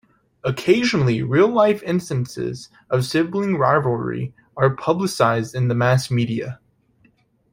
Occasionally real life instances of sibling rivalry are publicized in the mass media.